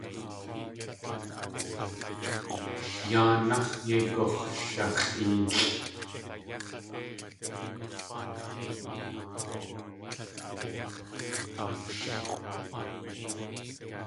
Yáanáx̲ yei gux̲shax̲ʼéelʼ.